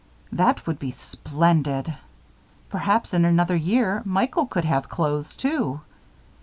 That would be splendid. Perhaps, in another year, Michael could have clothes, too.